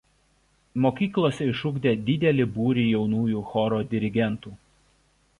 Mokyklose išugdė didelį būrį jaunųjų choro dirigentų.